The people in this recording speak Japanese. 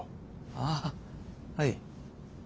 あぁはい。